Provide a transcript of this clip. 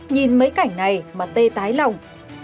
nhìn mấy cảnh này mà tê tái lòng